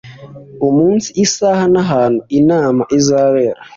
umunsi isaha n ahantu inama izabera